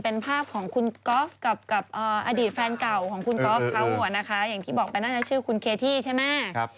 เป็นภาพของคุณก๊อฟกับอดีตแฟนเก่าของคุณก๊อฟเขานะคะอย่างที่บอกไปน่าจะชื่อคุณเคที่ใช่ไหม